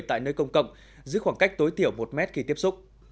tại nơi công cộng giữ khoảng cách tối thiểu một mét khi tiếp xúc